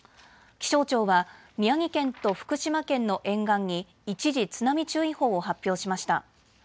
気象庁は宮城県と福島県の沿岸に一時、津波注意報を発表しました。